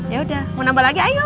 yaudah mau nambah lagi ayo